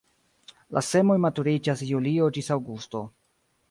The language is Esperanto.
La semoj maturiĝas de julio ĝis aŭgusto.